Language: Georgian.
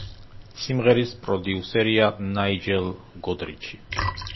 სიმღერის პროდიუსერია ნაიჯელ გოდრიჩი.